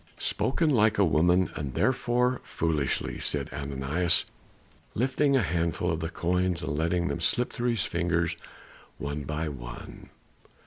"Spoken like a woman, and therefore foolishly," said Ananias, lifting a handful of the coins and letting them slip through his fingers one by one.